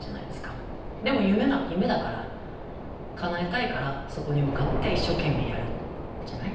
でも夢だから叶えたいからそこに向かって一生懸命やるじゃない？